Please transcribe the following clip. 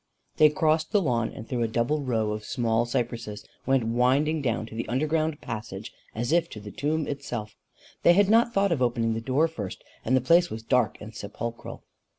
They crossed the lawn, and through a double row of small cypresses went winding down to the underground passage, as if to the tomb itself. They had not thought of opening the door first, and the place was dark and sepulchral.